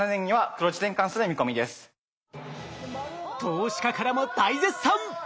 投資家からも大絶賛！